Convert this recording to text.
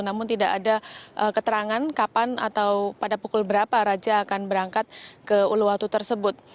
namun tidak ada keterangan kapan atau pada pukul berapa raja akan berangkat ke uluwatu tersebut